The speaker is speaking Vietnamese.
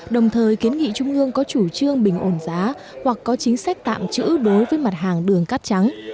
đồng thời kiến nghị trung ương có chủ trương bình ổn giá hoặc có chính sách tạm trữ đối với mặt hàng đường cát trắng